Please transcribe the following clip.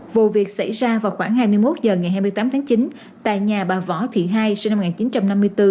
vụ việc xảy ra vào khoảng hai mươi một h ngày hai mươi tám tháng chín tại nhà bà võ thị hai sinh năm một nghìn chín trăm năm mươi bốn